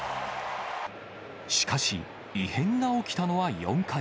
しかし、異変が起きたのは４回。